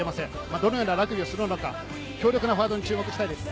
どんなラグビーをするのか、強力なフォワードに注目したいです。